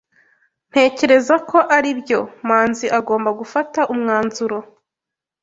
Ntekereza ko aribyo Manzi agomba gufata umwanzuro.